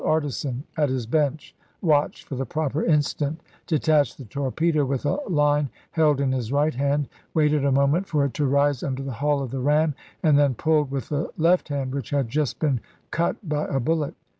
artisan at his bench, watched for the proper instant, detached the torpedo with a line held in his right hand, waited a moment for it to rise under the hull of the ram, and then pulled with the left oct.27,1864. hand, which had just been cut by a bullet.